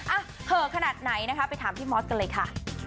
อ่ะเหอะขนาดไหนนะคะไปถามพี่มอสกันเลยค่ะ